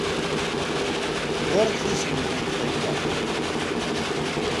Ɣur-k tissegnit n txeyyaṭ?